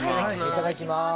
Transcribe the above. いただきます。